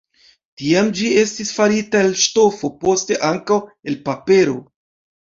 Tiam ĝi estis farita el ŝtofo, poste ankaŭ el papero.